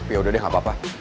ya udah deh gak apa apa